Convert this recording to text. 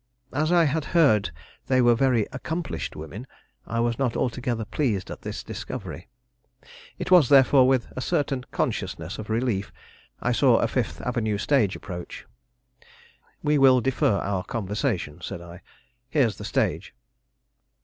As I had heard they were very accomplished women, I was not altogether pleased at this discovery. It was, therefore, with a certain consciousness of relief I saw a Fifth Avenue stage approach. "We will defer our conversation," said I. "Here's the stage."